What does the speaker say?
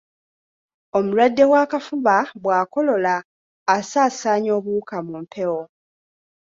Omulwadde w’akafuba bw’akolola, asaasaanya obuwuka mu mpewo.